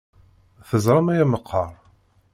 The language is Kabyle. Teẓramt aya meqqar?